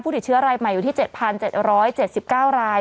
ติดเชื้อรายใหม่อยู่ที่๗๗๙ราย